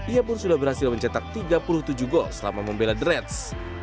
ia pun sudah berhasil mencetak tiga puluh tujuh gol selama membela the reds